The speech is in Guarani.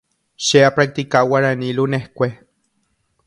Che apractica Guarani luneskue.